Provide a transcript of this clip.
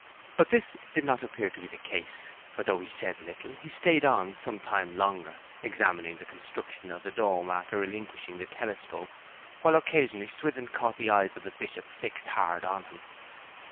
But this did not appear to be the case; for though he said little he stayed on some time longer, examining the construction of the dome after relinquishing the telescope; while occasionally Swithin caught the eyes of the Bishop fixed hard on him.